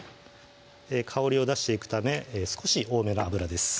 香りを出していくため少し多めの油です